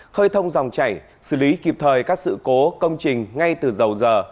khơi thông dòng chảy xử lý kịp thời các sự cố công trình ngay từ dầu giờ